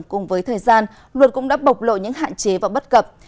cùng với thời gian luật cũng đã bộc lộ những hạn chế và bất cập